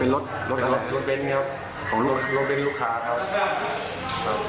เป็นรถรถรถเบนครับของรถรถเบนลูกค้าครับครับ